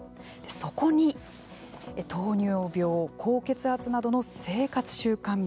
そこに糖尿病、高血圧などの生活習慣病。